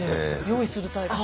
用意するタイプ。